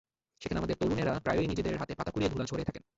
সেখানে আমাদের তরুণেরা প্রায়ই নিজের হাতে পাতা কুড়িয়ে ধুলা ঝেড়ে থাকেন।